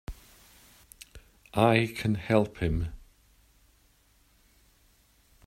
I can help him!